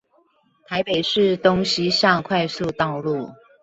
台北市東西向快速道路